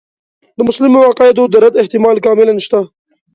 د مسلمو عقایدو د رد احتمال کاملاً شته.